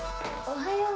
おはよう。